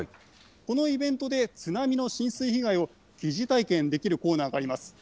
このイベントで、津波の浸水被害を疑似体験できるコーナーがあります。